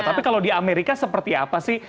tapi kalau di amerika seperti apa sih